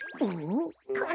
ん？